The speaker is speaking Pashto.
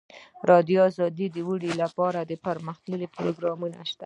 افغانستان کې د اوړي لپاره دپرمختیا پروګرامونه شته.